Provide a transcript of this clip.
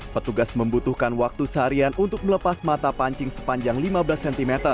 petugas membutuhkan waktu seharian untuk melepas mata pancing sepanjang lima belas cm